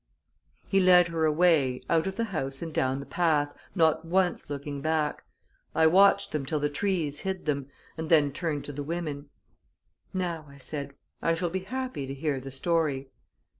He led her away, out of the house and down the path, not once looking back. I watched them till the trees hid them, and then turned to the women. "Now," I said, "I shall be happy to hear the story."